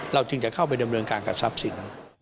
จึงจะเข้าไปดำเนินการกับทรัพย์สิน